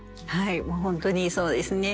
もう本当にそうですね。